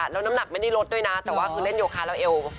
แล้วน้ำหนักไม่ได้ลดด้วยนะแต่ว่าคือเล่นโยคาราเอล